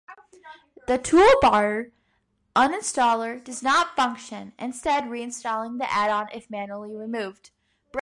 The toolbar uninstaller does not function, instead re-installing the add-on if manually removed.